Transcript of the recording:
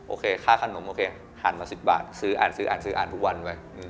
โอเคค่าขนมโอเคหันมา๑๐บาทซื้ออ่านทุกวันไป